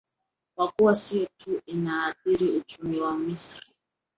kwa kuwa sio tu inaathiri uchumi wa misri